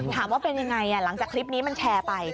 ถามว่าเป็นยังไงหลังจากคลิปนี้มันแชร์ไป